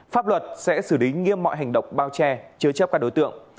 pháp luật sẽ xử lý nghiêm mọi hành động bao che chứa chấp các đối tượng